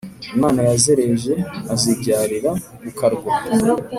imana yazereje azibyarira ku karwa.